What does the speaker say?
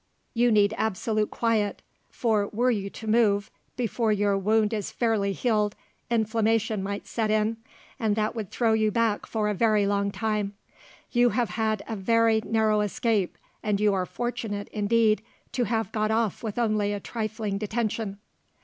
You need absolute quiet, for were you to move, before your wound is fairly healed, inflammation might set in, and that would throw you back for a very long time. You have had a very narrow escape, and you are fortunate, indeed, to have got off with only a trifling detention."